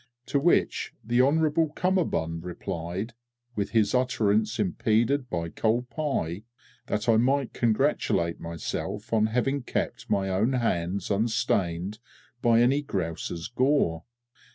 To which Hon'ble CUMMERBUND replied, with his utterance impeded by cold pie, that I might congratulate myself on having kept my own hands unstained by any grouse's gore.